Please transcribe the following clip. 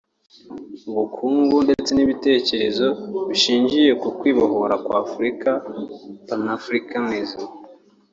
ubukungu ndetse n’ibitekerezo bishingiye ku kwibohora kw’Afurika (Panafricanism)